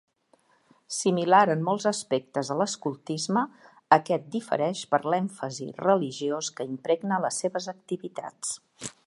Similar en molts aspectes a l'escoltisme, aquest difereix per l'èmfasi religiós que impregna les seves activitats.